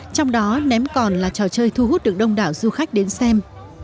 trong đó ném còn là trò chơi thu hút được đông đảo du khách đến xem